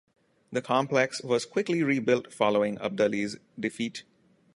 The complex was quickly rebuilt following Abdali's defeat.